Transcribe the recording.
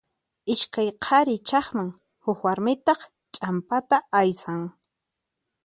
Iskay qhari chaqman, huk warmitaq ch'ampata aysan.